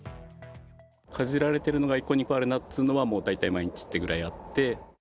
かじられてるのが１個、２個あるっていうのは、もう大体毎日ってぐらいあって。